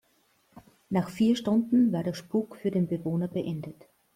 Nach vier Stunden war der Spuk für den Bewohner beendet.